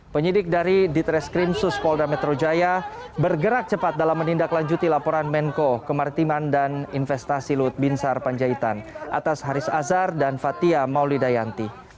penyidik dari ditreskrim suspolda metro jaya bergerak cepat dalam menindaklanjuti laporan menko kemaritiman dan investasi lut binsar panjaitan atas haris azhar dan fathia maulidayanti